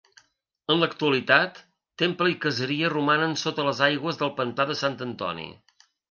En l'actualitat, temple i caseria romanen sota les aigües del pantà de Sant Antoni.